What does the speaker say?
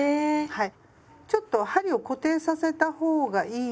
はい。